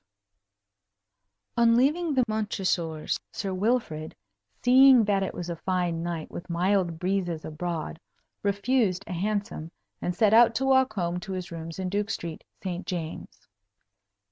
V On leaving the Montresors, Sir Wilfrid, seeing that it was a fine night with mild breezes abroad, refused a hansom, and set out to walk home to his rooms in Duke Street, St. James's.